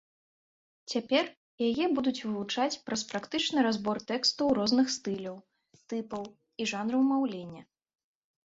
Цяпер яе будуць вывучаць праз практычны разбор тэкстаў розных стыляў, тыпаў і жанраў маўлення.